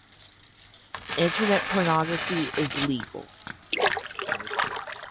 Internet pornography is legal.